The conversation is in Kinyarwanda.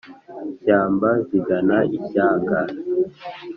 shyamba zigana ishyanga